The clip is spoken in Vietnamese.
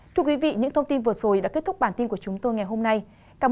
thưa quý vị những thông tin vừa rồi đã kết thúc bản tin của chúng tôi ngày hôm nay cảm ơn